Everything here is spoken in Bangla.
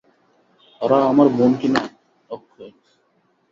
ওরা আমার বোন কিনা– অক্ষয়।